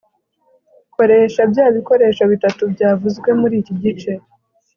koresha bya bikoresho bitatu byavuzwe muri iki gice